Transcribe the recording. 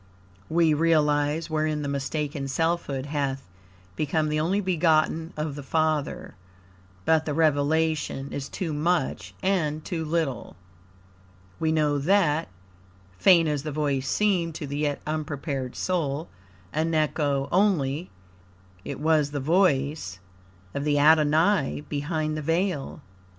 We realize wherein the mistaken selfhood hath become the only begotten of the Father, but the revelation is too much, and too little. We know that, faint as the voice seemed to the yet unprepared soul, an echo only, IT WAS THE VOICE OF THE ADONAI BEHIND THE VEIL.